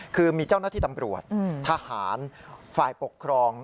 คือมีเจ้าหน้าที่ตำรวจทหารฝ่ายปกครอง